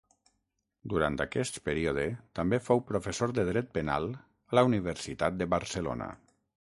Durant aquest període també fou professor de dret penal a la Universitat de Barcelona.